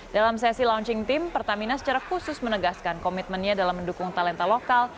dalam sesi launching team pertamina secara khusus menegaskan komitmennya dalam mendukung talenta lokal